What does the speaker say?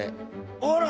ほら！